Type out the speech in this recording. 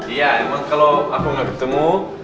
iya emang kalau aku nggak ketemu